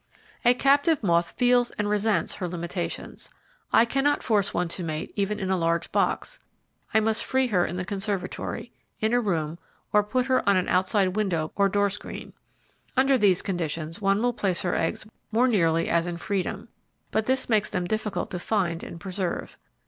A captive moth feels and resents her limitations. I cannot force one to mate even in a large box. I must free her in the conservatory, in a room, or put her on an outside window br door screen. Under these conditions one will place her eggs more nearly as in freedom; but this makes them difficult to find and preserve.